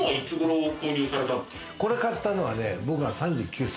これ買ったのはね、僕が３９歳。